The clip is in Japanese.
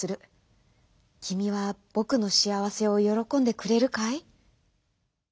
きみはぼくのしあわせをよろこんでくれるかい？」。